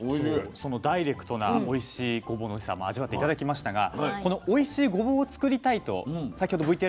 そのダイレクトなおいしいごぼうのおいしさ味わって頂きましたがこのおいしいごぼうを作りたいと先ほどＶＴＲにもありました